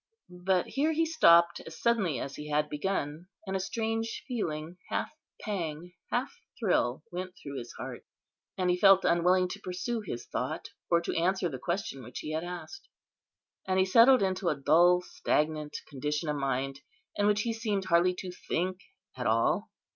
But here he stopped as suddenly as he had begun; and a strange feeling, half pang, half thrill, went through his heart. And he felt unwilling to pursue his thought, or to answer the question which he had asked; and he settled into a dull, stagnant condition of mind, in which he seemed hardly to think at all.